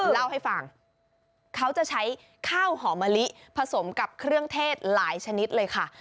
เล่าให้ฟังเขาจะใช้ข้าวหอมะลิผสมกับเครื่องเทศหลายชนิดเลยค่ะ